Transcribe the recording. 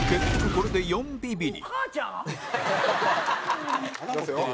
これで３ビビリ